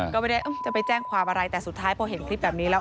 ก็ไม่ได้จะไปแจ้งความอะไรแต่สุดท้ายพอเห็นคลิปแบบนี้แล้ว